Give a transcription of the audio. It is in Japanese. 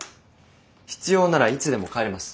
必要ならいつでも帰れます。